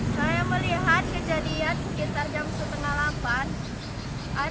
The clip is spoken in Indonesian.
saya melihat kejadian sekitar jam setengah delapan